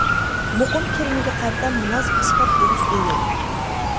مۇقىم كىرىمىگە قارىتا مۇناسىپ ئىسپات بولۇش زۆرۈر.